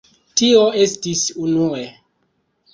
Tio estis unue.